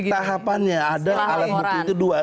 tahapannya ada alat bukti itu dua